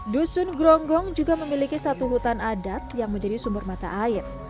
dusun gronggong juga memiliki satu hutan adat yang menjadi sumber mata air